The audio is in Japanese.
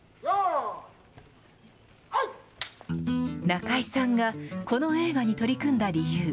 中井さんがこの映画に取り組んだ理由。